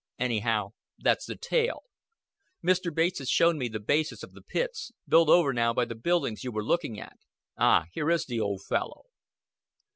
Anyhow, that's the tale. Mr. Bates has shown me the basis of the pits built over now by the buildings you were looking at. Ah, here is the old fellow."